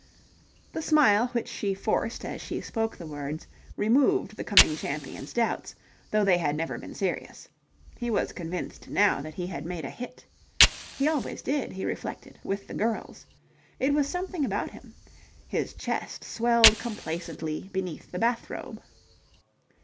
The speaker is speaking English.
The smile which she forced as she spoke the words removed the coming champion's doubts, though they had never been serious. He was convinced now that he had made a hit. He always did, he reflected, with the girls. It was something about him. His chest swelled complacently beneath the bath robe.